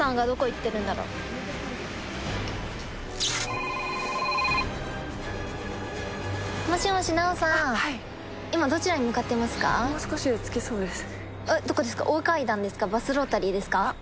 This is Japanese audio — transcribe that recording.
どこですか？